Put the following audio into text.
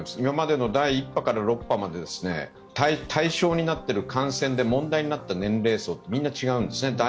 今までの第１波から第６波、対象になっている感染で問題になった年齢層はみんな違うんですね。